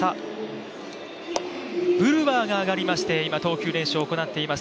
ブルワーが上がりまして今、投球練習を行っています。